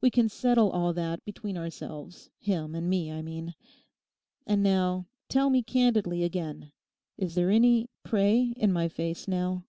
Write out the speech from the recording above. We can settle all that between ourselves—him and me, I mean. And now tell me candidly again—Is there any "prey" in my face now?